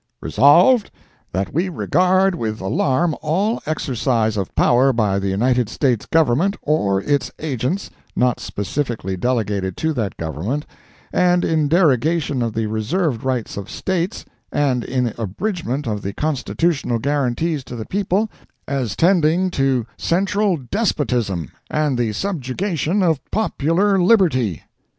Resolved, That we regard with alarm all exercise of power by the United States Government, or its agents, not specifically delegated to that Government, and in derogation of the reserved rights of States, and in abridgment of the constitutional guarantees to the people, as tending to central despotism and the subjugation of popular liberty.